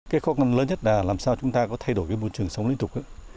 cái khó khăn lớn nhất là làm sao chúng ta có thay đổi cái môi trường sống liên tục